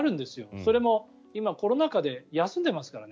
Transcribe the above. それも今、コロナ禍で休んでいますからね。